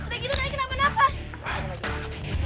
kalo gitu raya kena merampok